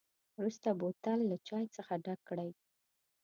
وروسته بوتل له چای څخه ډک کړئ.